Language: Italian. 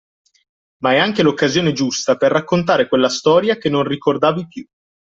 Ma è anche l’occasione giusta per raccontare quella storia che non ricordavi più